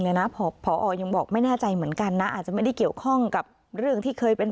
ท่านสมัสก็ได้ยินท่านสมัสก็ได้ยิน